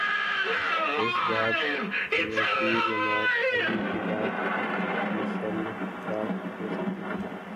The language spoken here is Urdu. اس باب میں پیر جماعت علی کی بات مشعل راہ ہو سکتی ہے۔